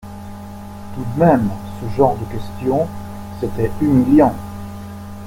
tout de même, ce genre de questions, c’était humiliant.